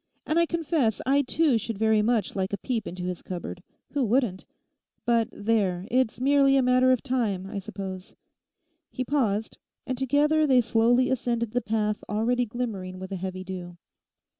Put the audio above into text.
And I confess I too should very much like a peep into his cupboard. Who wouldn't? But there, it's merely a matter of time, I suppose.' He paused, and together they slowly ascended the path already glimmering with a heavy dew.